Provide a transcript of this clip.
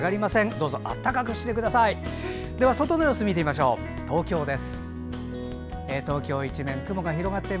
どうぞ暖かくしてください。